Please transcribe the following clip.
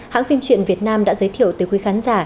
hãng phim truyện việt nam đã giới thiệu tới quý khán giả